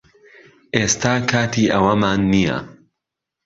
ئێستا کاتی ئەوەمان نییە